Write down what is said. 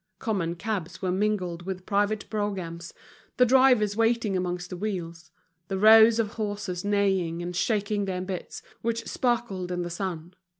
Common cabs were mingled with private broughams, the drivers waiting amongst the wheels, the rows of horses neighing and shaking their bits, which sparkled in the sun.